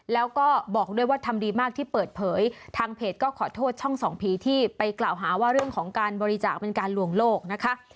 แล้วก็บอกด้วยว่าทำดีมากที่เปิดเผยทางเพจก็ขอโทษช่องส่องผีที่ไปกล่าวหาว่าเรื่องของการบริจาคเป็นการลวงโลกนะคะ